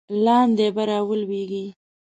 لاندې به را ولویږې.